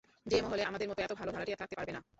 যে মহলে আমাদের মত, এত ভালো ভাড়াটিয়া, থাকতে পারবে না।